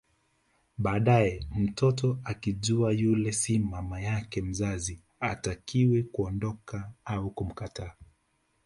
Baadae mtoto akijua yule si mama yake mzazi hatakiwi kuondoka au kumkataa